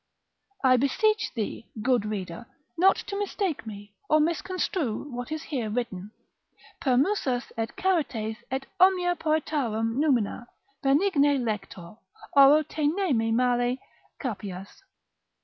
I beseech thee, good reader, not to mistake me, or misconstrue what is here written; Per Musas et Charites, et omnia Poetarum numina, benigne lector, oro te ne me male capias.